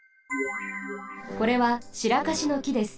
これはシラカシのきです。